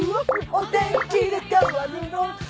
「お天気で変わるのさ」